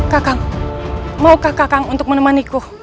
kakang maukah kakang untuk menemani ku